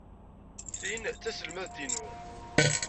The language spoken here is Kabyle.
Tin d taselmadt-inu.